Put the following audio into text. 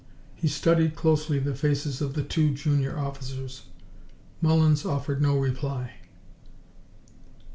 He studied closely the faces of the two junior officers. Mullins offered no reply.